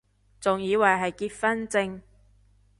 仲以為係結婚証